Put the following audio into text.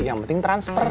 yang penting transfer